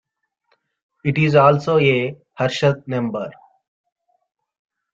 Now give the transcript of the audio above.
It is also a Harshad number.